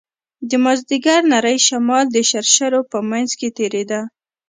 د مازديګر نرى شمال د شرشرو په منځ کښې تېرېده.